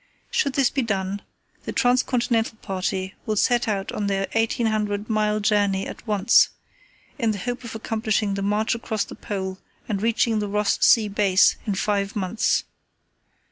"Should this be done, the Trans continental party will set out on their 1800 mile journey at once, in the hope of accomplishing the march across the Pole and reaching the Ross Sea base in five months.